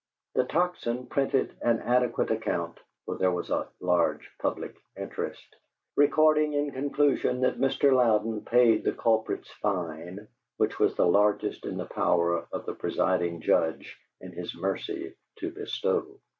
The Tocsin printed an adequate account (for there was "a large public interest"), recording in conclusion that Mr. Louden paid the culprit's fine which was the largest in the power of the presiding judge in his mercy to bestow.